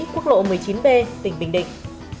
quốc lộ một mươi chín b tỉnh bình định